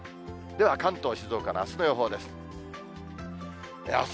では関東、静岡のあすの予報です。